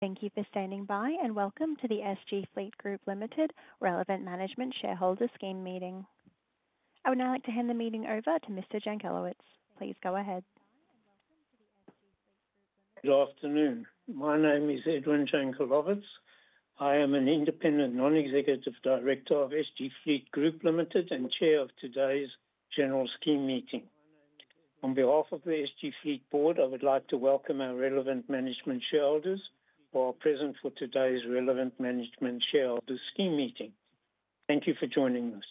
Thank you for standing by, and welcome to the SG Fleet Group Limited Relevant Management Shareholder Scheme meeting. I would now like to hand the meeting over to Mr. Jankelowitz. Please go ahead. Good afternoon. My name is Edwin Jankelowitz. I am an independent non-executive director of SG Fleet Group Limited and chair of today's General Scheme meeting. On behalf of the SG Fleet Board, I would like to welcome our Relevant Management Shareholders who are present for today's Relevant Management Shareholder Scheme meeting. Thank you for joining us.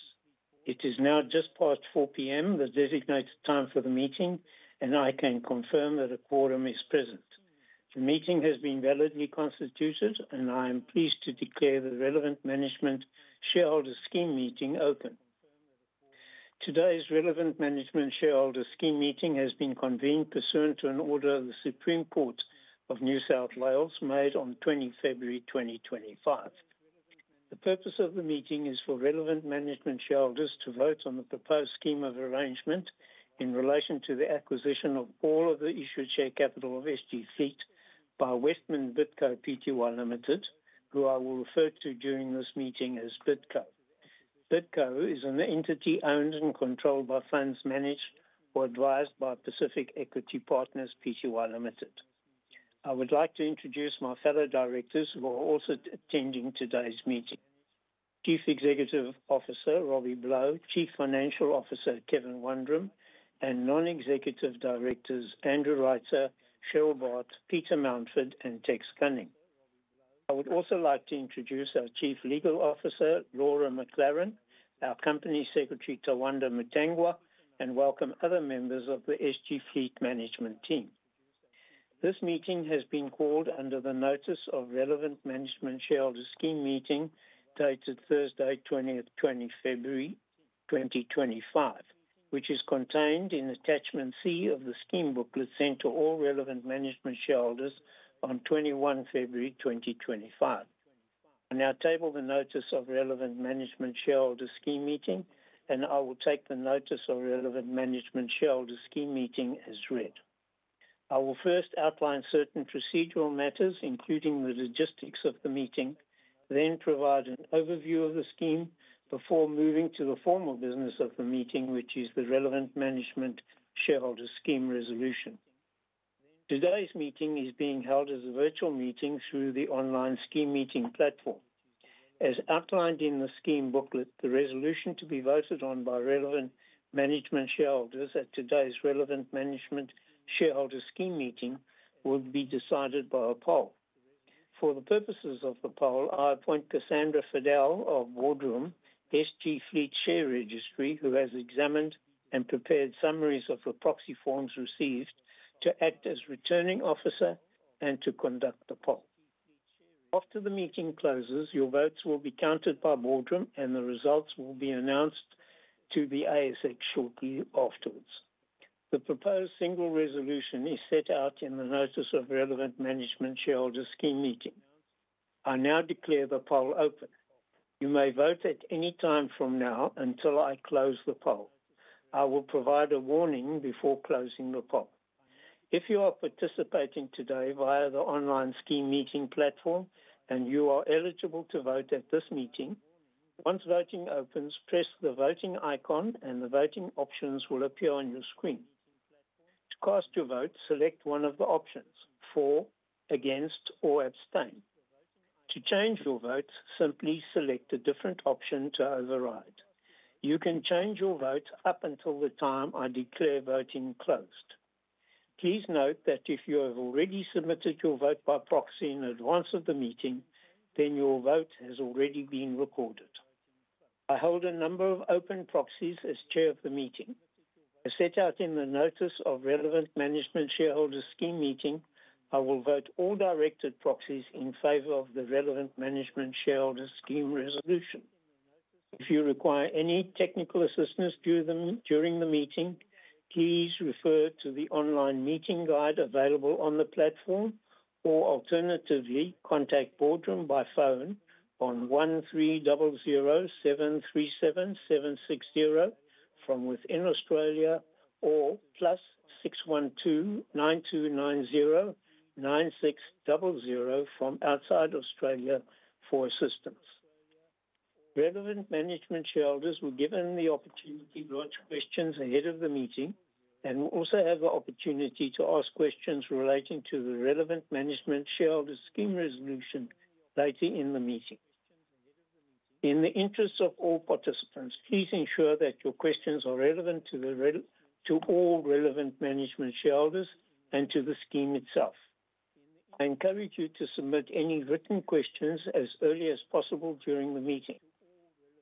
It is now just past 4:00PM, the designated time for the meeting, and I can confirm that a quorum is present. The meeting has been validly constituted, and I am pleased to declare the Relevant Management Shareholder Scheme meeting open. Today's Relevant Management Shareholder Scheme meeting has been convened pursuant to an order of the Supreme Court of New South Wales made on 20 February 2025. The purpose of the meeting is for Relevant Management Shareholders to vote on the proposed scheme of arrangement in relation to the acquisition of all of the issued share capital of SG Fleet by Westman Bidco Pty Limited, who I will refer to during this meeting as Bidco. Bidco is an entity owned and controlled by funds managed or advised by Pacific Equity Partners Pty Limited. I would like to introduce my fellow directors who are also attending today's meeting: Chief Executive Officer Robbie Blau, Chief Financial Officer Kevin Wundram, and non-executive directors Andrew Reitzer, Cheryl Bart, Peter Mountford, and Tex Gunning. I would also like to introduce our Chief Legal Officer Laura McLaren, our Company Secretary Tawanda Mutengwa, and welcome other members of the SG Fleet management team. This meeting has been called under the notice of Relevant Management Shareholder Scheme meeting dated Thursday, 20 February 2025, which is contained in Attachment C of the Scheme Booklet sent to all Relevant Management Shareholders on 21 February 2025. I now table the notice of Relevant Management Shareholder Scheme meeting, and I will take the notice of Relevant Management Shareholder Scheme meeting as read. I will first outline certain procedural matters, including the logistics of the meeting, then provide an overview of the scheme before moving to the formal business of the meeting, which is the Relevant Management Shareholder Scheme resolution. Today's meeting is being held as a virtual meeting through the Online Scheme Meeting platform. As outlined in the Scheme Booklet, the resolution to be voted on by Relevant Management Shareholders at today's Relevant Management Shareholder Scheme meeting will be decided by a poll. For the purposes of the poll, I appoint Cassandra Fadell of Boardroom, SG Fleet Share Registry, who has examined and prepared summaries of the proxy forms received to act as returning officer and to conduct the poll. After the meeting closes, your votes will be counted by Boardroom, and the results will be announced to the ASX shortly afterwards. The proposed single resolution is set out in the notice of Relevant Management Shareholder Scheme meeting. I now declare the poll open. You may vote at any time from now until I close the poll. I will provide a warning before closing the poll. If you are participating today via the Online Scheme Meeting platform and you are eligible to vote at this meeting, once voting opens, press the voting icon and the voting options will appear on your screen. To cast your vote, select one of the options: for, against, or abstain. To change your vote, simply select a different option to override. You can change your vote up until the time I declare voting closed. Please note that if you have already submitted your vote by proxy in advance of the meeting, then your vote has already been recorded. I hold a number of open proxies as Chair of the meeting. As set out in the notice of Relevant Management Shareholder Scheme meeting, I will vote all directed proxies in favor of the Relevant Management Shareholder Scheme resolution. If you require any technical assistance during the meeting, please refer to the online meeting guide available on the platform, or alternatively contact Boardroom by phone on 1300 737 760 from within Australia or +612 9290 9600 from outside Australia for assistance. Relevant Management Shareholders were given the opportunity to lodge questions ahead of the meeting and will also have the opportunity to ask questions relating to theRelevant Management Shareholder Scheme resolution later in the meeting. In the interest of all participants, please ensure that your questions are relevant to all Relevant Management Shareholders and to the scheme itself. I encourage you to submit any written questions as early as possible during the meeting.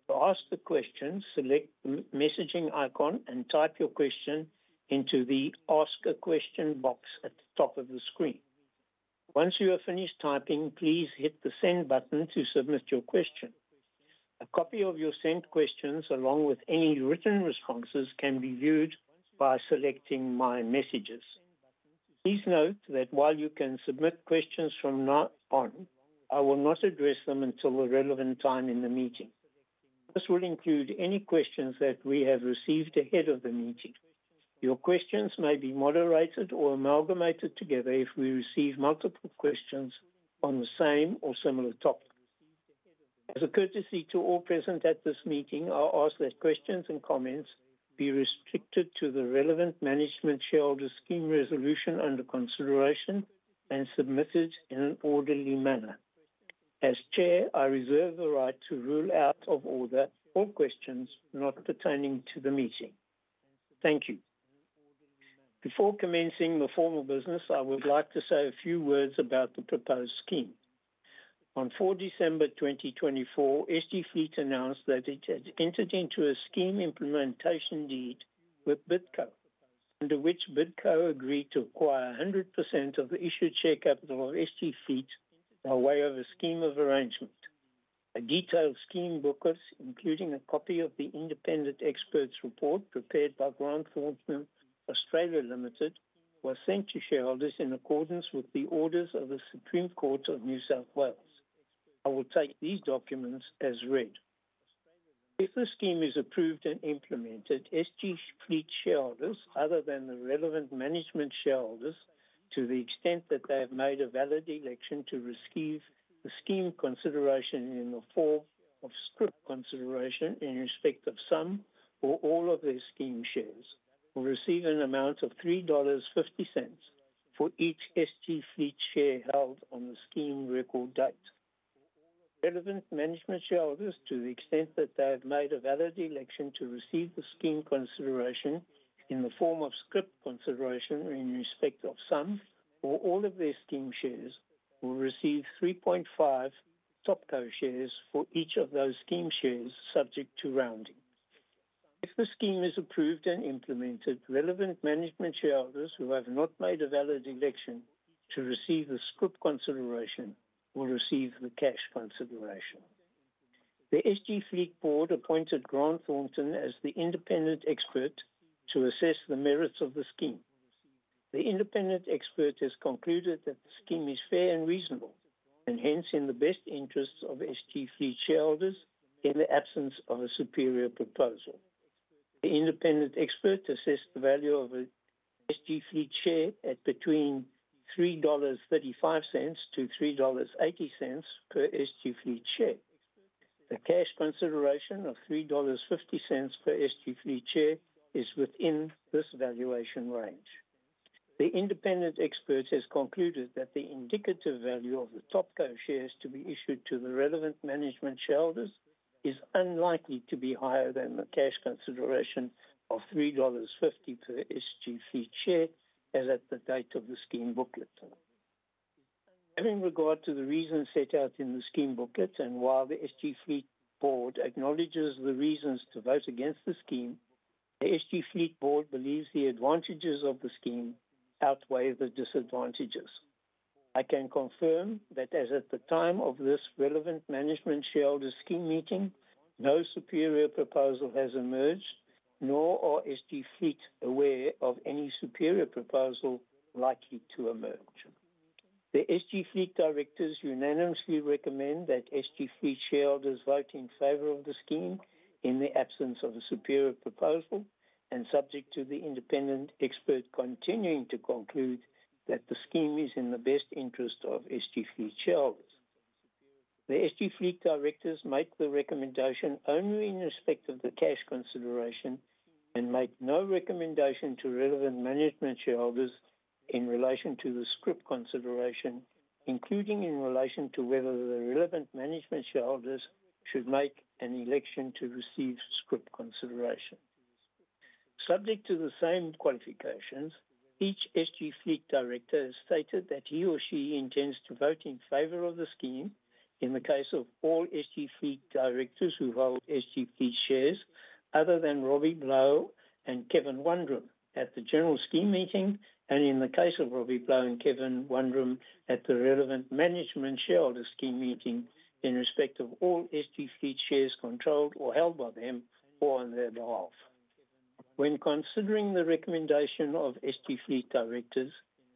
To ask the question, select the messaging icon and type your question into the Ask a Question box at the top of the screen. Once you have finished typing, please hit the Send button to submit your question. A copy of your sent questions along with any written responses can be viewed by selecting My Messages. Please note that while you can submit questions from now on, I will not address them until the relevant time in the meeting. This will include any questions that we have received ahead of the meeting. Your questions may be moderated or amalgamated together if we receive multiple questions on the same or similar topic. As a courtesy to all present at this meeting, I ask that questions and comments be restricted to the Relevant Management Shareholder Scheme resolution under consideration and submitted in an orderly manner. As Chair, I reserve the right to rule out of order all questions not pertaining to the meeting. Thank you. Before commencing the formal business, I would like to say a few words about the proposed scheme. On 4 December 2024, SG Fleet announced that it had entered into a Scheme Implementation Deed with Bidco, under which Bidco agreed to acquire 100% of the issued share capital of SG Fleet by way of a scheme of arrangement. A detailed scheme booklet, including a copy of the independent expert's report prepared by Grant Thornton Australia Limited, was sent to shareholders in accordance with the orders of the Supreme Court of New South Wales. I will take these documents as read. If the scheme is approved and implemented, SG Fleet Shareholders, other than the Relevant Management Shareholders, to the extent that they have made a valid election to receive the scheme consideration in the form of Scrip consideration in respect of some or all of their scheme shares, will receive an amount of $3.50 for each SG Fleet share held on the scheme record date. Relevant Management Shareholders, to the extent that they have made a valid election to receive the scheme consideration in the form of Scrip consideration in respect of some or all of their scheme shares, will receive 3.50 Topco shares for each of those scheme shares, subject to rounding. If the scheme is approved and implemented, Relevant Management Shareholders who have not made a valid election to receive the Scrip consideration will receive the cash consideration. The SG Fleet Board appointed Grant Thornton as the independent expert to assess the merits of the scheme. The independent expert has concluded that the scheme is fair and reasonable, and hence in the best interests of SG Fleet Shareholders in the absence of a superior proposal. The independent expert assessed the value of an SG Fleet share at between $3.35-$3.80 per SG Fleet share. The cash consideration of $3.50 per SG Fleet share is within this valuation range. The independent expert has concluded that the indicative value of the Topco shares to be issued to the Relevant Management Shareholders is unlikely to be higher than the cash consideration of $3.50 per SG Fleet share as at the date of the scheme booklet. Having regard to the reasons set out in the scheme booklet, and while the SG Fleet Board acknowledges the reasons to vote against the scheme, the SG Fleet Board believes the advantages of the scheme outweigh the disadvantages. I can confirm that as at the time of this relevant management shareholder scheme meeting, no superior proposal has emerged, nor are SG Fleet aware of any superior proposal likely to emerge. The SG Fleet directors unanimously recommend that SG Fleet Shareholders vote in favor of the scheme in the absence of a superior proposal, and subject to the independent expert continuing to conclude that the scheme is in the best interest of SG Fleet Shareholders. The SG Fleet directors make the recommendation only in respect of the cash consideration and make no recommendation to Relevant Management Shareholders in relation to the Scrip consideration, including in relation to whether the Relevant Management Shareholders should make an election to receive Scrip consideration. Subject to the same qualifications, each SG Fleet director has stated that he or she intends to vote in favor of the scheme in the case of all SG Fleet directors who hold SG Fleet shares, other than Robbie Blau and Kevin Wundram, at the general scheme meeting, and in the case of Robbie Blau and Kevin Wundram at the Relevant Management Shareholder Scheme meeting in respect of all SG Fleet shares controlled or held by them or on their behalf. When considering the recommendation of SG Fleet directors,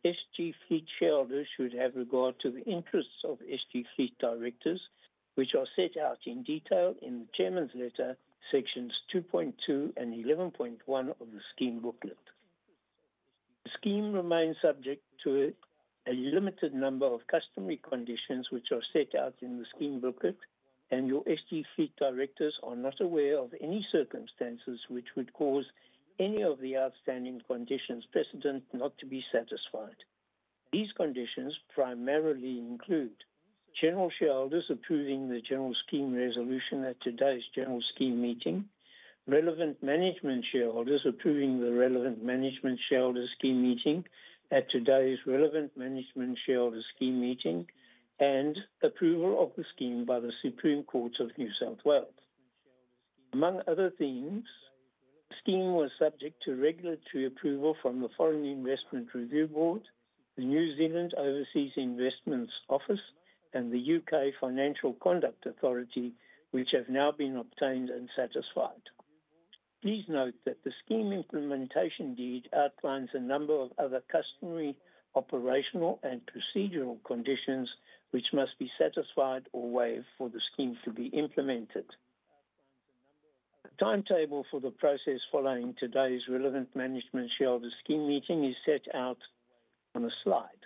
SG Fleet Shareholders should have regard to the interests of SG Fleet directors, which are set out in detail in the Chairman's Letter, sections 2.2 and 11.1 of the Scheme Booklet. Scheme remains subject to a limited number of customary conditions which are set out in the Scheme Booklet, and your SG Fleet directors are not aware of any circumstances which would cause any of the outstanding conditions precedent not to be satisfied. These conditions primarily include: General Shareholders approving the General Scheme resolution at today's general scheme meeting, Relevant Management Shareholders approving the Relevant Management Shareholder Scheme meeting at today's Relevant Management Shareholder Scheme meeting, and approval of the scheme by the Supreme Court of New South Wales. Among other things, the scheme was subject to regulatory approval from the Foreign Investment Review Board, the New Zealand Overseas Investment Office, and the UK Financial Conduct Authority, which have now been obtained and satisfied. Please note that the scheme implementation deed outlines a number of other customary operational and procedural conditions which must be satisfied or waived for the scheme to be implemented. A timetable for the process following today's Relevant Management Shareholder Scheme meeting is set out on a slide.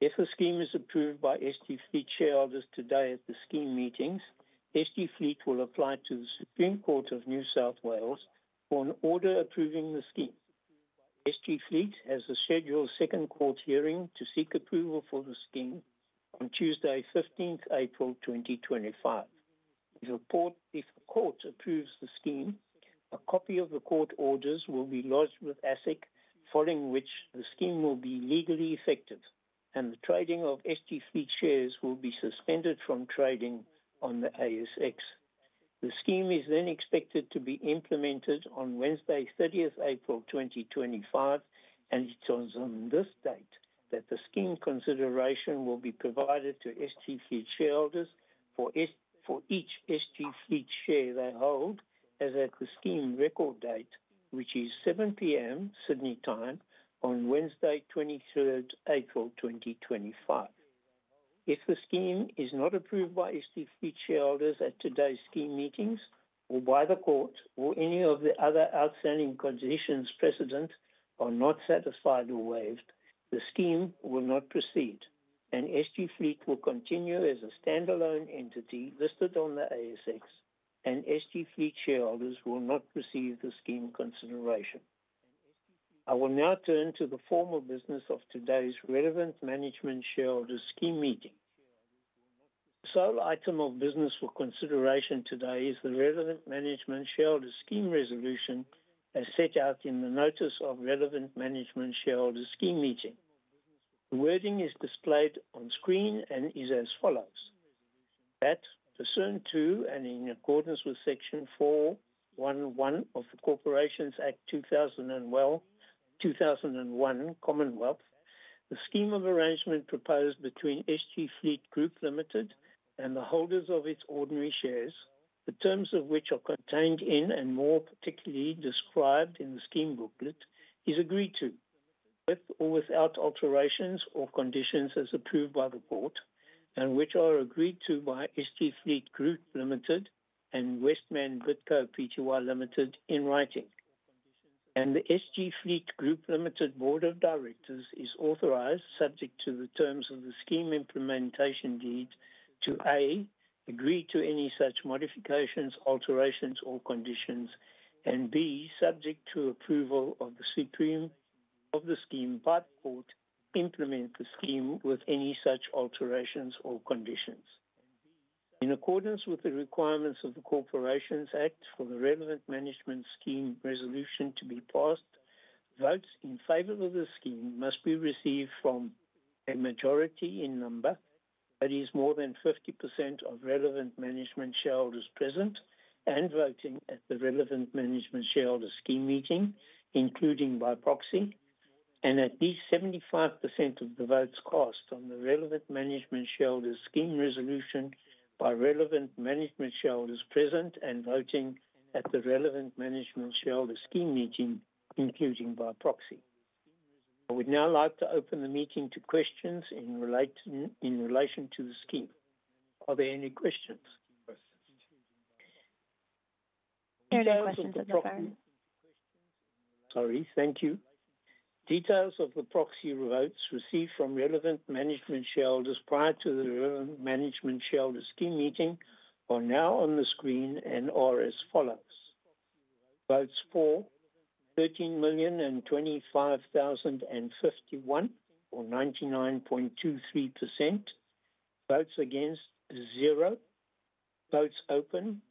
If a scheme is approved by SG Fleet Shareholders today at the scheme meetings, SG Fleet will apply to the Supreme Court of New South Wales for an order approving the scheme. SG Fleet has a scheduled second court hearing to seek approval for the scheme on Tuesday, 15 April 2025. If a court approves the scheme, a copy of the court orders will be lodged with ASIC, following which the scheme will be legally effective, and the trading of SG Fleet shares will be suspended from trading on the ASX. The scheme is then expected to be implemented on Wednesday, 30 April 2025, and it is on this date that the scheme consideration will be provided to SG Fleet Shareholders for each SG Fleet share they hold as at the scheme record date, which is 7:00PM Sydney time on Wednesday, 23 April 2025. If the scheme is not approved by SG Fleet Shareholders at today's scheme meetings, or by the court, or any of the other outstanding conditions precedent are not satisfied or waived, the scheme will not proceed, and SG Fleet will continue as a standalone entity listed on the ASX, and SG Fleet Shareholders will not receive the scheme consideration. I will now turn to the formal business of today's Relevant Management Shareholder Scheme meeting. The sole item of business for consideration today is the Relevant Management Shareholder Scheme resolution as set out in the notice of Relevant Management Shareholder Scheme meeting. The wording is displayed on screen and is as follows: That, pursuant to and in accordance with Section 411 of the Corporations Act 2001, Commonwealth, the scheme of arrangement proposed between SG Fleet Group Limited and the holders of its ordinary shares, the terms of which are contained in and more particularly described in the scheme booklet, is agreed to, with or without alterations or conditions as approved by the board, and which are agreed to by SG Fleet Group Limited and Westman Bidco Pty Limited in writing. And the SG Fleet Group Limited Board of Directors is authorized, subject to the terms of the scheme implementation deed, to: a) agree to any such modifications, alterations, or conditions, and b) subject to approval of the scheme by the court, implement the scheme with any such alterations or conditions. In accordance with the requirements of the Corporations Act for the Relevant Management Scheme resolution to be passed, votes in favor of the scheme must be received from a majority in number that is more than 50% of Relevant Management Shareholders present and voting at the Relevant Management Shareholder Scheme meeting, including by proxy, and at least 75% of the votes cast on the Relevant Management Shareholder Scheme resolution by Relevant Management Shareholders present and voting at the Relevant Management Shareholder Scheme meeting, including by proxy. I would now like to open the meeting to questions in relation to the scheme. Are there any questions? Sorry. Thank you. Details of the proxy votes received from Relevant Management Shareholders prior to the Relevant Management Shareholder Scheme meeting are now on the screen and are as follows: Votes for: 13,025,051, or 99.23%; votes against: 0; votes open: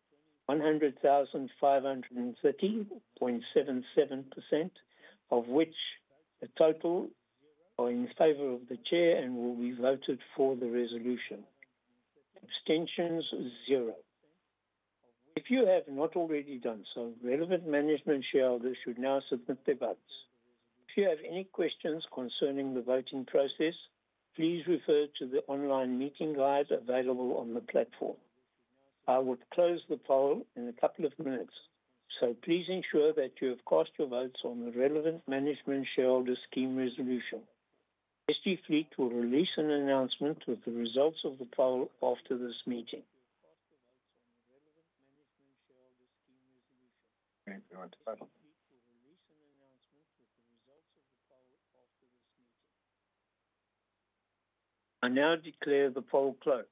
100,530, 0.77%, of which a total are in favor of the chair and will be voted for the resolution. Abstentions: 0. If you have not already done so, Relevant Management Shareholders should now submit their votes. If you have any questions concerning the voting process, please refer to the online meeting guide available on the platform. I will close the poll in a couple of minutes, so please ensure that you have cast your votes on the Relevant Management Shareholder Scheme resolution. SG Fleet will release an announcement of the results of the poll after this meeting. I now declare the poll closed.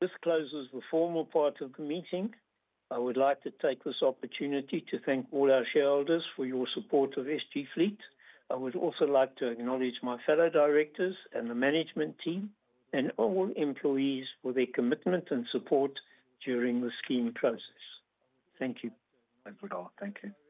This closes the formal part of the meeting. I would like to take this opportunity to thank all our shareholders for your support of SG Fleet. I would also like to acknowledge my fellow directors and the management team and all employees for their commitment and support during the scheme process. Thank you. Thank you all. Thank you.